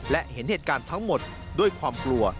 และเห็นเหตุการณ์ทั้งหมดด้วยความกลัว